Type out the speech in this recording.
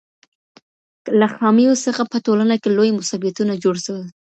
له خامیو څخه په ټولنه کې لوی مصیبتونه جوړ سول.